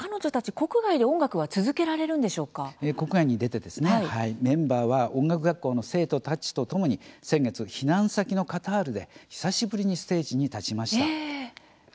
国外に出てメンバーは音楽学校の生徒たちとともに先月避難先のカタールで久しぶりにステージに立ちました。